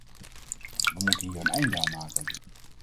We moeten hier een einde aan maken.